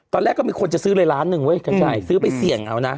ตอนแรกก็มีคนจะซื้อเลยล้านหนึ่งเว้กัญชัยซื้อไปเสี่ยงเอานะ